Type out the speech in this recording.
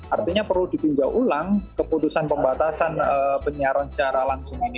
artinya perlu dipinjau ulang keputusan pembatasan penyiaran secara langsung ini